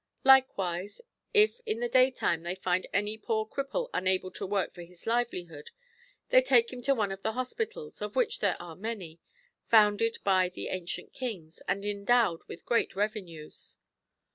Likewise if in the daytime they find any poor cripple unable to work for his livelihood, they take him to one of the hospitals, of which there are many, founded by the ancient kings, and endowed with great revenues.